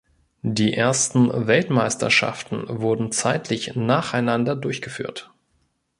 Die ersten Weltmeisterschaften wurden zeitlich nacheinander durchgeführt.